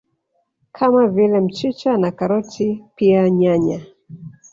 Kama vile mchicha na Karoti pia nyanya